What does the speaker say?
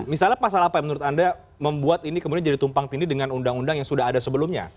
misalnya pasal apa yang menurut anda membuat ini kemudian jadi tumpang tindih dengan undang undang yang sudah ada sebelumnya